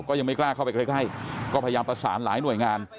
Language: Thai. ก็ยังไม่กล้าเข้าไปใกล้ก็พยายามประสานหลายหน่วยงาน